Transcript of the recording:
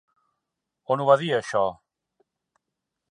On ho va dir, això?